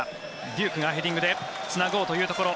デュークがヘディングでつなごうというところ。